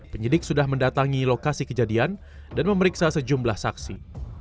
penyidik sudah mendatangi lokasi kejadian dan memeriksa sejumlah saksi